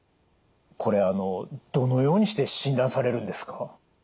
これどのようにして診断されるんですか？